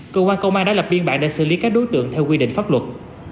cơ quan công an đã lập biên bản để xử lý các đối tượng theo quy định pháp luật